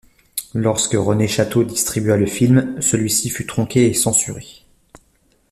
Lorsque René Chateau distribua le film, celui-ci fut tronqué et censuré.